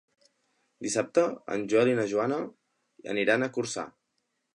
Dissabte en Joel i na Joana aniran a Corçà.